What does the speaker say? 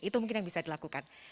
itu mungkin yang bisa dilakukan